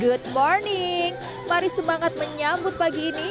good morning mari semangat menyambut pagi ini